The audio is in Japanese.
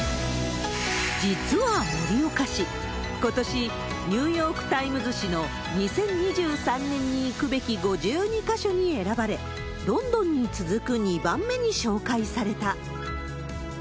実は盛岡市、ことし、ニューヨーク・タイムズ紙の２０２３年に行くべく５２か所に選ばれ、ロンドンに続く２番目に紹介された。